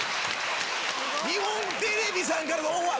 日本テレビさんからのオファー。